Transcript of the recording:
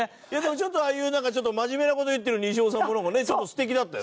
ちょっとああいう真面目な事を言ってる西尾さんもなんかね素敵だったよ。